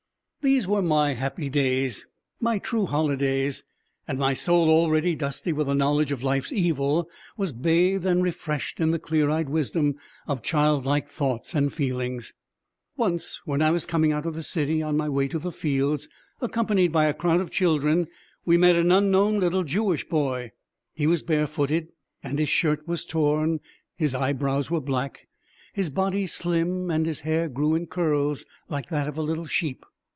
These were my happy days, my true holidays, and my soul already dusty with the knowledge of life's evil was bathed and refreshed in the clear eyed wisdom of child like thoughts and feelings. Once, when I was coming out of the city on my way to the fields, accompanied by a crowd of children we met an unknown little Jewish boy. He was barefooted and his shirt was torn; his eyebrows were black, his body slim and his hair grew in curls like that of a little sheep.